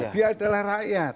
dia adalah rakyat